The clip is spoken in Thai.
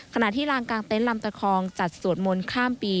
ขณะที่ลานกลางเต็นต์ลำตะคองจัดสวดมนต์ข้ามปี